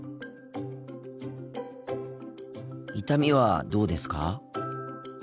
痛みはどうですか？